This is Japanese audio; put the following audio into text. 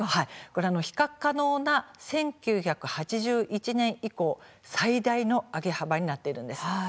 比較可能な１９８１年以降最大の上げ幅になっています。